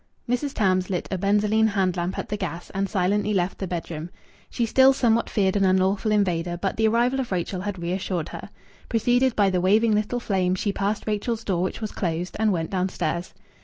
Mrs. Tarns lighted a benzolene hand lamp at the gas, and silently left the bedroom. She still somewhat feared an unlawful invader, but the arrival of Rachel had reassured her. Preceded by the waving little flame, she passed Rachel's door, which was closed, and went downstairs.